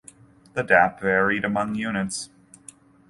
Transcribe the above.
The dap varied among units.